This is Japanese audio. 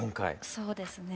そうですね。